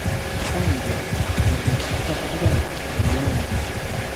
kandi agatukwa kuba uruyange